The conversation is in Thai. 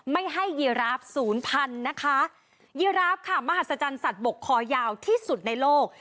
ไม่ให้ยีราฟศูนย์พันนะคะยีราฟค่ะมหัศจรรย์สัตวบกคอยาวที่สุดในโลก